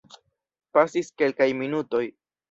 Pasis kelkaj minutoj.